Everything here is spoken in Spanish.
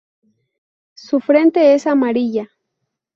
Su frente es amarilla.